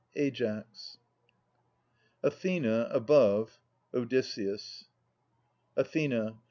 MAS Athena {above). Odysseus. Athena.